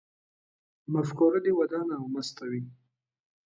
مفکوره دې ودانه او مسته وي